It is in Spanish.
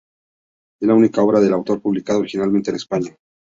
Es la única obra del autor publicada originalmente en España.